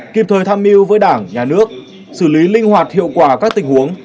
kịp thời tham mưu với đảng nhà nước xử lý linh hoạt hiệu quả các tình huống